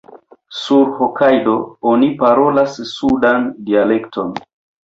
Sur Hokajdo oni parolas sudan dialekton.